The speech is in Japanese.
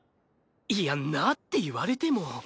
いや「なっ」って言われても